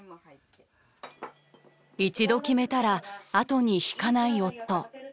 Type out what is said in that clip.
一度決めたら後に引かない夫。